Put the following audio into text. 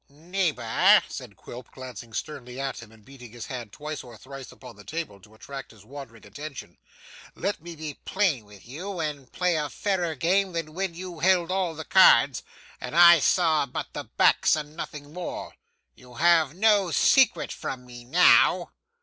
'Neighbour,' said Quilp glancing sternly at him, and beating his hand twice or thrice upon the table to attract his wandering attention, 'let me be plain with you, and play a fairer game than when you held all the cards, and I saw but the backs and nothing more. You have no secret from me now.